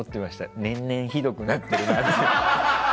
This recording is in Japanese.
年々ひどくなってるなって。